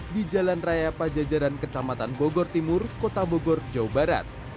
di jalan raya pajajaran kecamatan bogor timur kota bogor jawa barat